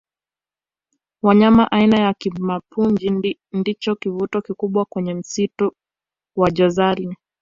wanyama aina ya kimapunju ndicho kivutio kikubwa kwenye msitu wa jozani